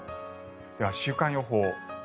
では、週間予報。